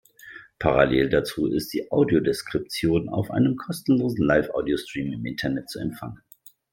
Parallel dazu ist die Audiodeskription auf einem kostenlosen Live-Audio-Stream im Internet zu empfangen.